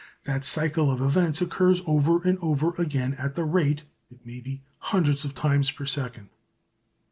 That cycle of events occurs over and over again at the rate it may be of hundreds of times per second.